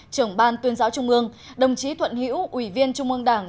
trưởng ban tuyên giáo trung ương đồng chí thuận hữu ủy viên trung ương đảng